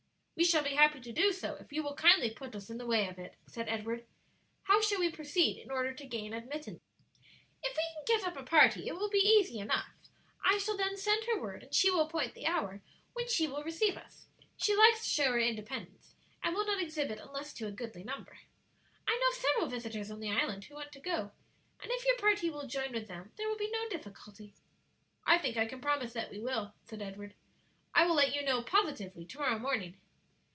"We shall be happy to do so if you will kindly put us in the way of it," said Edward. "How shall we proceed in order to gain admittance?" "If we can get up a party it will be easy enough; I shall then send her word, and she will appoint the hour when she will receive us; she likes to show her independence, and will not exhibit unless to a goodly number. "I know of several visitors on the island who want to go, and if your party will join with them there will be no difficulty." "I think I can promise that we will," said Edward. "I will let you know positively to morrow morning."